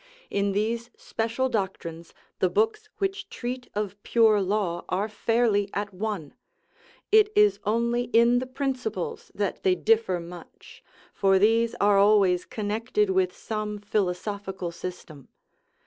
In these special doctrines the books which treat of pure law are fairly at one; it is only in the principles that they differ much, for these are always connected with some philosophical system.